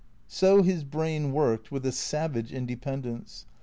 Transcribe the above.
So his brain worked, with a savage independence.